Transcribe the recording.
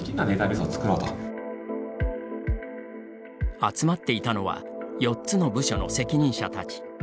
集まっていたのは４つの部署の責任者たち。